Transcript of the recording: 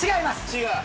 違う。